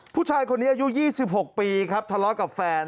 ผู้ชายคนนี้อายุ๒๖ปีครับทะเลาะกับแฟน